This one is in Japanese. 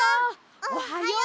おはよう。